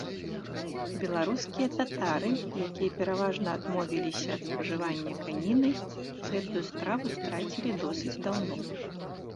Беларускія татары, якія пераважна адмовіліся ад спажывання каніны, гэтую страву страцілі досыць даўно.